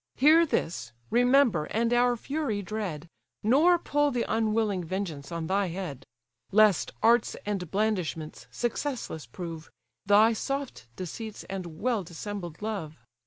Hear this, remember, and our fury dread, Nor pull the unwilling vengeance on thy head; Lest arts and blandishments successless prove, Thy soft deceits, and well dissembled love."